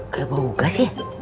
kayak bau gas ya